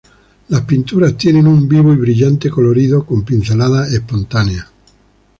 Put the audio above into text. Las pinturas tienen un vivo y brillante colorido con pincelada espontánea.